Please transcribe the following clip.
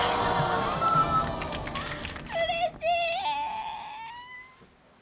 うれしい。